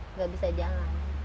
nggak bisa jalan